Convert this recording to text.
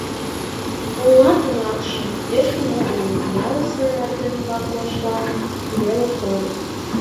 «Буллард-влакше» пеш кугу улыт, ялысе мардежвакшла веле койыт.